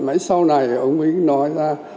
mãi sau này ông ấy nói ra